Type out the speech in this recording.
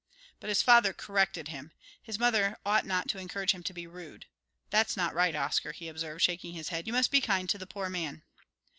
But his father corrected him his mother ought not to encourage him to be rude. "That's not right, Oscar," he observed, shaking his head. "You must be kind to the poor man."